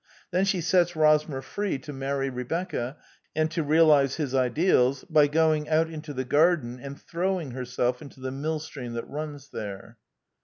Then she sets Rosmer free to marry Rebecca, and to realize his ideals, by going out into the garden and throwing herself into the millstream that runs there.